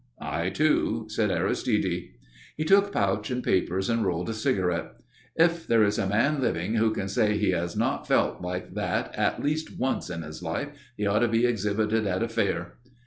"I, too," said Aristide. He took pouch and papers and rolled a cigarette. "If there is a man living who can say he has not felt like that at least once in his life he ought to be exhibited at a fair."